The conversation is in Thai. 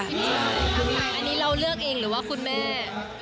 อันนี้เราเลือกเองหรือว่าคุณแม่